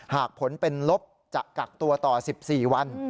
หากผลเป็นลบจะกักตัวต่อ๑๔วัน